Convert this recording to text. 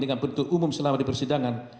dengan bentuk umum selama di persidangan